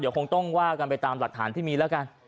เดี๋ยวคงต้องว่ากันไปตามหลักฐานที่มีแล้วกัน